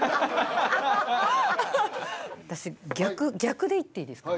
私逆逆でいっていいですか？